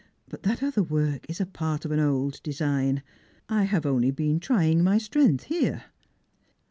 But that other work ia a pari of an old design. I have only been trying my strength here."